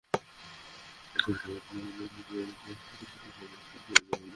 কখনো আবার কোনো পণ্যের মডেল হয়ে নকশার পাতায় আমার ছবিসহ বিজ্ঞাপন গেছে।